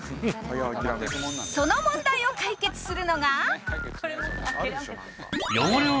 その問題を解決するのが